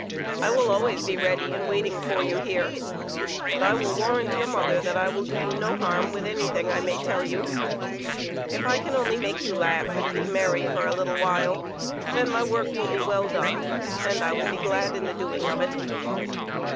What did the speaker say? I will always be ready and waiting for you here, and I will warrant your Vlll PREFACE. mother that I will do you no harm with anything that I may tell you. If I can only make you laugh and be merry for a little while, then my work will be well done, and I will be glad in the doing of it.